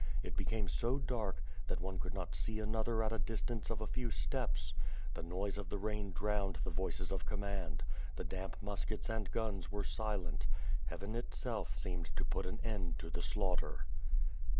It became so dark, that one could not see another at a distance of a few steps. The noise of the rain drowned the voices of command. The damp muskets and guns were silent. Heaven itself seemed to put an end to the slaughter.